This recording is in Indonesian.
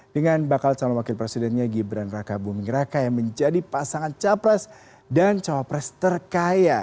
dengan bakal calon wakil presidennya gibran raka buming raka yang menjadi pasangan capres dan cawapres terkaya